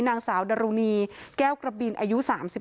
นางสาวดรุณีแก้วกระบินอายุ๓๒